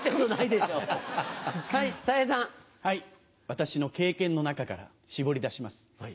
私の経験の中から絞り出します。